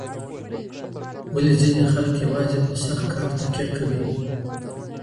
ولي ځیني خلګ یوازي په سخت کار تکیه کوي؟